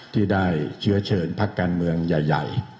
ที่ได้เชื้อเชิญพักการเมืองใหญ่